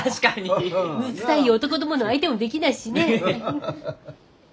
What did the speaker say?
むさい男どもの相手もできないしね。